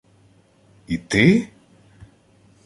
— І ти?